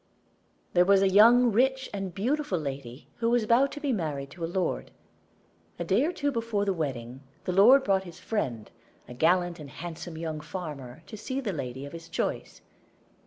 There was a young, rich, and beautiful lady who was about to be married to a lord. A day or two before the wedding the lord brought his friend, a gallant and handsome young farmer, to see the lady of his choice.